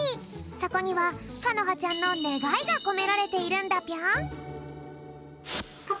そこにはかのはちゃんのねがいがこめられているんだぴょん。